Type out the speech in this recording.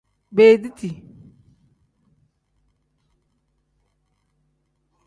Beediti.